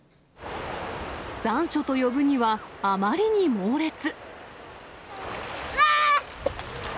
残暑と呼ぶには、あまりに猛うわー！